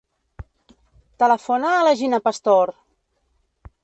Telefona a la Gina Pastor.